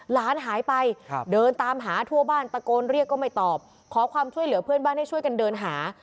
หลานหายไปเดินตามหาทั่วบ้านตะโกนเรียกก็ไม่ตอบขอความช่วยเหลือเพื่อนบ้านให้ช่วยกันเดินหา